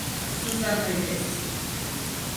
Sızlanmayı kes.